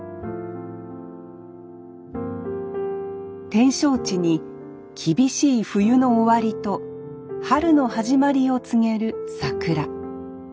展勝地に厳しい冬の終わりと春の始まりを告げる桜。